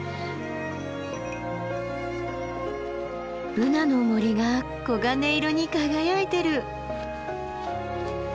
ブナの森が黄金色に輝いてる！